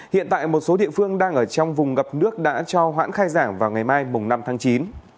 hiện tại một số địa phương đang ở trong vùng ngập nước đã cho hoãn khai giảng vào ngày mai năm tháng chín